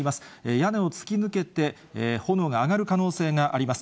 屋根を突き抜けて、炎が上がる可能性があります。